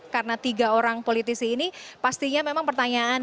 karena tiga orang politisi ini pastinya memang pertanyaan